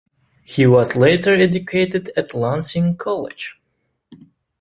He was later educated at Lancing College.